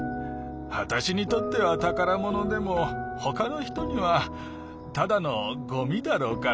わたしにとってはたからものでもほかのひとにはただのゴミだろうから。